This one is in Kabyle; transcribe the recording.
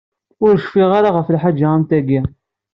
Ur cfiɣ ara ɣef lḥaǧa am tagi.